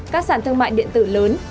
các sản thương mại điện tử lớn